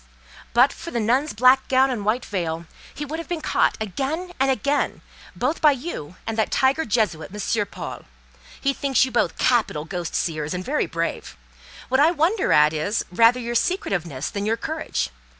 "But for the nun's black gown and white veil, he would have been caught again and again both by you and that tiger Jesuit, M. Paul. He thinks you both capital ghost seers, and very brave. What I wonder at is, rather your secretiveness than your courage.